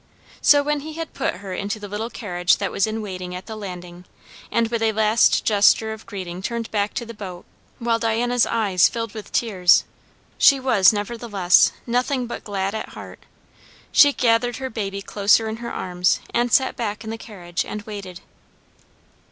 So, when he had put her into the little carriage that was in waiting at the landing, and with a last gesture of greeting turned back to the boat, while Diana's eyes filled with tears, she was, nevertheless, nothing but glad at heart. She gathered her baby closer in her arms, and sat back in the carriage and waited.